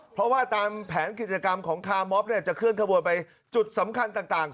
เพราะว่าตามแผนกิจกรรมของคาร์มอฟจะเคลื่อนขบวนไปจุดสำคัญต่าง